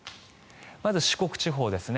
まず四国地方ですね。